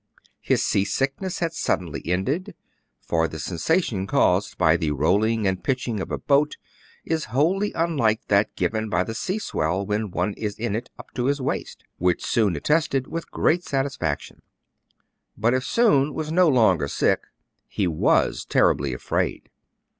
His seasickness had suddenly ended; for the sensa tion caused by the rolling and pitching of a boat is wholly unlike that given by the sea swell when one is in it up to his waist, which Soun attested with great satisfaction. But, if Soun was no longer sick, he was terribly afraid.